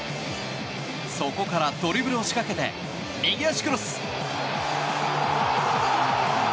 そこからドリブルを仕掛けて右足クロス。